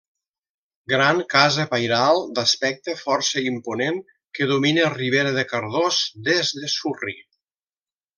Gran casa pairal d'aspecte força imponent que domina Ribera de Cardós des de Surri.